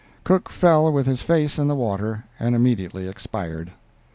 Cook fell with his face in the water and immediately expired.